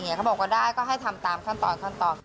เขาบอกว่าได้ก็ให้ทำตามขั้นตอนขั้นตอน